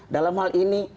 dalam hal ini